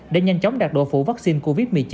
để nhanh chóng đạt độ phủ vắc xin covid một mươi chín